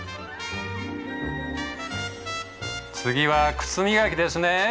次は靴磨きですね。